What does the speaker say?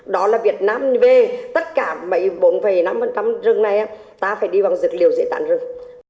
đó là việt nam về tất cả mấy bốn năm rừng này ta phải đi bằng dược liệu dễ tàn rừng